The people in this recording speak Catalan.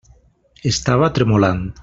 Estava tremolant.